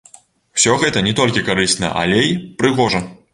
Усё гэта не толькі карысна, але й прыгожа.